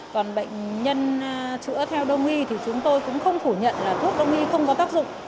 còn bệnh nhân chữa theo đông y thì chúng tôi cũng không phủ nhận là thuốc đông y không có tác dụng